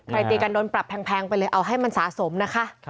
ตีกันโดนปรับแพงไปเลยเอาให้มันสะสมนะคะ